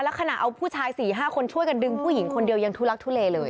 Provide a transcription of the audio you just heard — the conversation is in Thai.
ขณะเอาผู้ชาย๔๕คนช่วยกันดึงผู้หญิงคนเดียวยังทุลักทุเลเลย